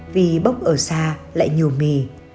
vì bốc ở xa lại nhiều mì